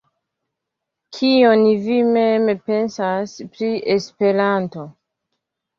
Kion vi mem pensas pri Esperanto?